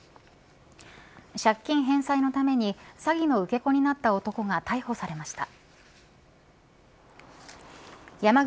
借金返済のために詐欺の受け子になった男が逮捕されました。